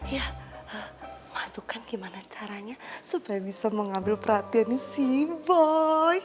ya masukkan gimana caranya supaya bisa mengambil perhatian si boy